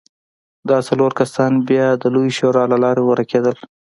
دا څلور کسان بیا د لویې شورا له لارې غوره کېدل.